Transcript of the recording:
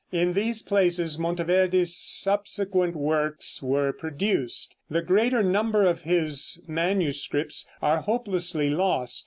In these places Monteverde's subsequent works were produced. The greater number of his manuscripts are hopelessly lost.